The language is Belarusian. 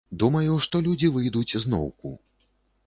Думаю, што людзі выйдуць зноўку.